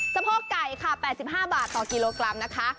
พ่อไก่ค่ะ๘๕บาทต่อกิโลกรัมนะคะ